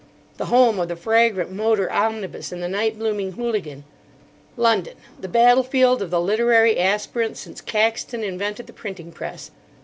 The home of the fragrant motor omnibus and the night blooming Hooligan. London, the battlefield of the literary aspirant since Caxton invented the printing press.